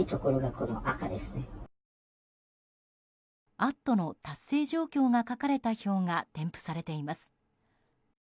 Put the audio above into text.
アットの達成状況が書かれた表が添付されています。